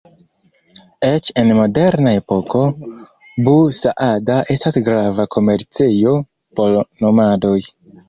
Eĉ en moderna epoko, Bu-Saada estas grava komercejo por nomadoj.